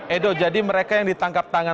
edo jadi mereka yang ditangkap tangan